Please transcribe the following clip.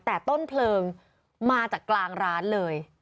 แต่ต้นเพลิงมาจากกลางร้านเลย